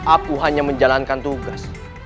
aku hanya menjalankan tugas